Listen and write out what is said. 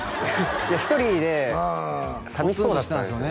１人で寂しそうだったんですよね